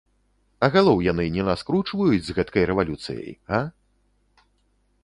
А галоў яны не наскручваюць з гэткай рэвалюцыяй, га?